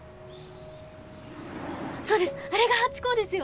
そうですあれがハチ公ですよ！